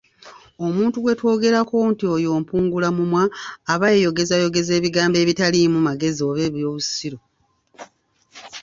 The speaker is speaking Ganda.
Omuntu gwetwogerako nti oyo Mpungulamumwa aba yeeyogezayogeza ebigambo ebitaliimu magezi oba eby’obusiru.